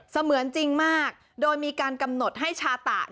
เสมือนจริงมากโดยมีการกำหนดให้ชาตะ